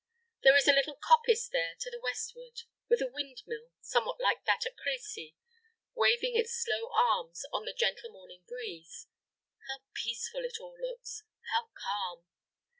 There is a little coppice there to the westward, with a wind mill, somewhat like that at Creçy, waving its slow arms on the gentle morning breeze. How peaceful it all looks; how calm.